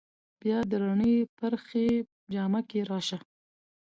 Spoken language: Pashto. بیا د رڼې پرخې جامه کې راشه